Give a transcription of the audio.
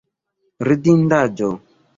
Ridindaĵo!